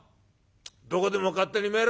どこでも勝手に参れ！